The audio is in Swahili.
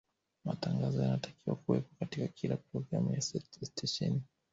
matangazo yanatakiwa kuwepo katika kila programuna ya stesheni